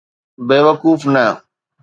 بيوقوف نه.